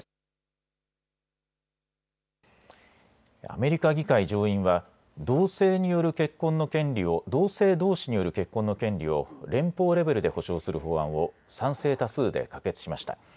アメリカ議会上院は同性どうしによる結婚の権利を連邦レベルで保障する法案を賛成多数で可決しました。